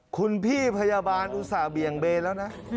คุณพี่พยาบาลอุตส่าหเบี่ยงเบนแล้วนะ